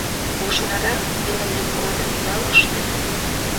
Ожнырак, илымем годым ялыште